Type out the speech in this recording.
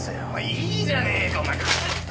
いいじゃねえかお前貸せ！